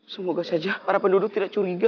semoga saja para penduduk tidak curiga